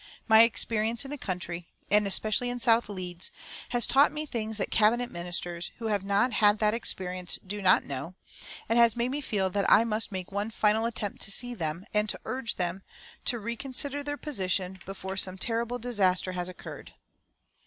My experience in the country, and especially in South Leeds, has taught me things that Cabinet Ministers, who have not had that experience, do not know, and has made me feel that I must make one final attempt to see them, and to urge them to reconsider their position before some terrible disaster has occurred."